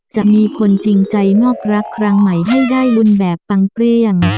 จะมีคนจริงใจนอกรักครั้งใหม่ให้ได้บุญแบบปังเกลี้ยง